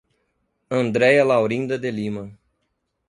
Andreia Laurinda de Lima